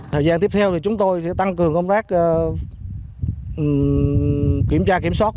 thời gian tiếp theo thì chúng tôi sẽ tăng cường công tác kiểm tra kiểm soát